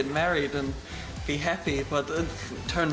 tapi itu berubah dan berjalan ke mana mana